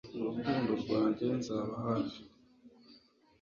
Urukundo rwanjye Nzaba hafi